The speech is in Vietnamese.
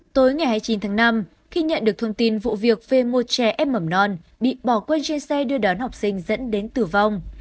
tối ngày hai mươi chín tháng năm khi nhận được thông tin vụ việc về một trẻ em mầm non bị bỏ quên trên xe đưa đón học sinh dẫn đến tử vong